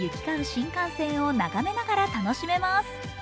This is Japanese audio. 新幹線を眺めながら楽しめます。